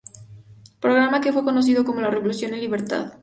Programa que fue conocido como la "Revolución en libertad".